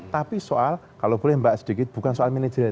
tapi soal kalau boleh mbak sedikit bukan soal manajer